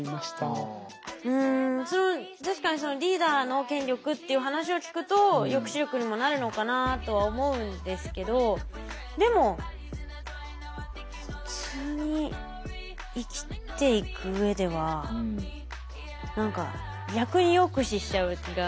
うん確かにリーダーの権力っていう話を聞くと抑止力にもなるのかなとは思うんですけどでも普通に生きていく上では何か逆に抑止しちゃう気が。